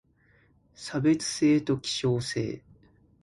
差別性と希少性